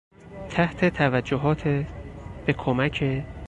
تحت توجهات...، به کمک...